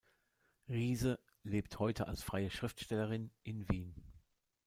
Riese lebt heute als freie Schriftstellerin in Wien.